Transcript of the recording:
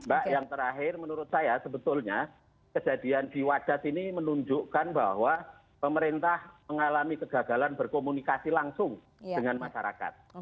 mbak yang terakhir menurut saya sebetulnya kejadian di wadat ini menunjukkan bahwa pemerintah mengalami kegagalan berkomunikasi langsung dengan masyarakat